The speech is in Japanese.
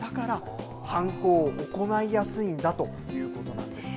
だから犯行を行いやすいんだということなんですね。